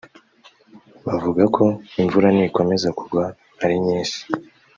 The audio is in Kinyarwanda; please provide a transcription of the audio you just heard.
bavuga ko imvura nikomeza kugwa ari nyinshi